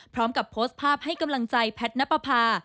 พร้อมกับโพสต์ภาพให้กำลังใจแพทย์นับประพา